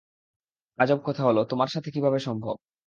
আজব কথা হলো, তোমার সাথে কিভাবে সম্ভব?